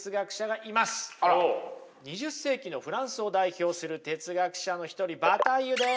２０世紀のフランスを代表する哲学者の一人バタイユです。